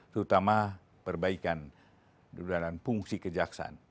terutama perbaikan dan fungsi kejaksaan